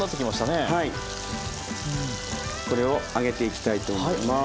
これを上げていきたいと思います。